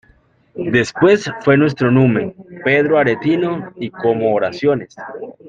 después fué nuestro numen Pedro Aretino, y como oraciones ,